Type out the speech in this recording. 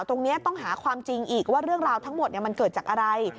ตรงนี้ต้องหาความจริงอีกว่าเรื่องราวทั้งหมดมันเกิดจากอะไร